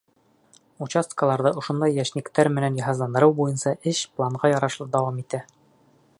Участкаларҙы ошондай йәшниктәр менән йыһазландырыу буйынса эш планға ярашлы дауам итә.